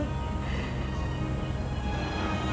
bagaimana aku bisa tersenyum